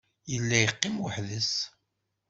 Yella yeqqim weḥd-s.